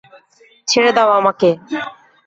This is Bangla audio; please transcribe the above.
ছেঁড়ে দাও আমাকে!